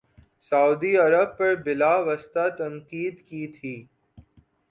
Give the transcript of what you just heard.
سعودی عرب پر بلا واسطہ تنقید کی تھی